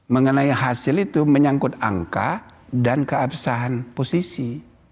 mengenai hasil itu menyangkut angka dan keabsahan posisi